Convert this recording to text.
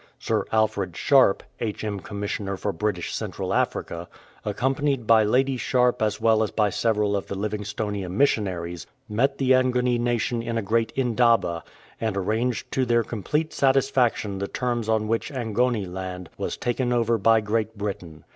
Sir Alfred Sharpe, H.M. Commissioner for British Central Africa, accompanied by Lady Sharpe as well as by several of the Livingstonia missionaries, met the Angoni nation in a great indaba, and arranged to their complete satisfaction the terms on which Angoniland was taken over by Great Britain.